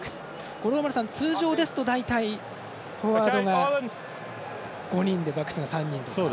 五郎丸さん、通常ですと大体、フォワードが５人でバックスが３人と。